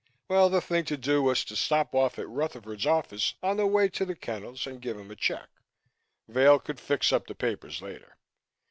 Well, the thing to do was to stop off at Rutherford's office on the way to the kennels and give him a check. Vail could fix up the papers later.